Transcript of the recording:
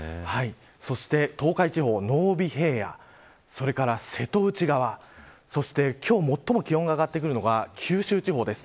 そして、東海地方、濃尾平野それから瀬戸内側そして今日最も気温が上がってくるのが九州地方です。